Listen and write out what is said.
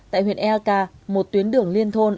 tại huyện elka một tuyến đường liên thôn